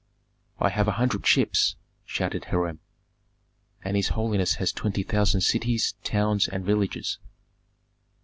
"I have a hundred ships!" shouted Hiram. "And his holiness has twenty thousand cities, towns, and villages."